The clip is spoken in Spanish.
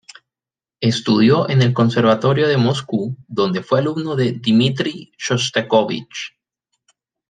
Estudió en el Conservatorio de Moscú donde fue alumno de Dmitri Shostakóvich.